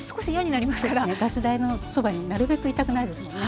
ガス台のそばになるべくいたくないですもんね。